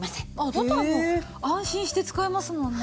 だったらもう安心して使えますもんね。